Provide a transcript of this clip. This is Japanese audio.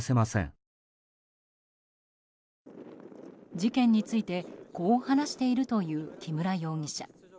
事件についてこう話しているという木村容疑者。